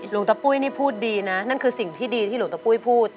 หลวงตะปุ้ยนี่พูดดีนะนั่นคือสิ่งที่ดีที่หลวงตะปุ้ยพูด